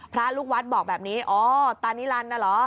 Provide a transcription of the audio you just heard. พระลูกวัดบอกแบบนี้อ๋อตานิรันดิน่ะเหรอ